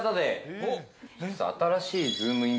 あのさ、新しいズームイン！！